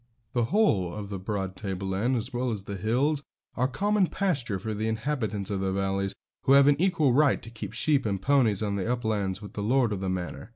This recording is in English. The whole of this broad tableland, as well as the hills, are common pasture for the inhabitants of the valleys, who have an equal right to keep sheep and ponies on the uplands with the lord of the manor.